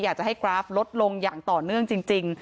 อยากจะให้กราฟลดลงอย่างต่อเนื่องจริง